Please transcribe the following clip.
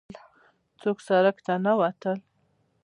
څوک سړک ته نه وتل.